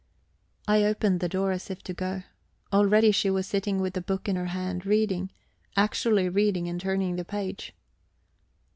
I opened the door as if to go. Already she was sitting with the book in her hand, reading actually reading and turning the page.